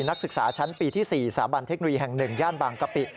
นักศึกษาชั้นปีที่๔สถาบันเทคโนโลยีแห่ง๑ย่านบางกะปิ